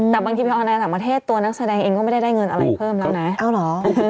แต่บางทีไปออนแอร์ต่างประเทศตัวนักแสดงเองก็ไม่ได้ได้เงินอะไรเพิ่มแล้วนะเอาเหรอ